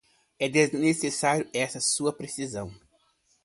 É desnecessária essa sua precisão.